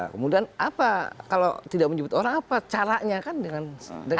kemudian apa kalau tidak menyebut orang apa caranya kan dengan